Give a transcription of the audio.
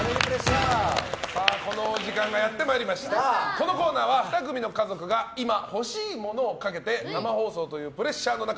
このコーナーは２組の家族が今、欲しいものをかけて生放送というプレッシャーの中